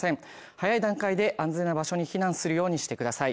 早い段階で安全な場所に避難するようにしてください。